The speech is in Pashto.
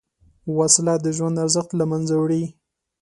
وسله د ژوند ارزښت له منځه وړي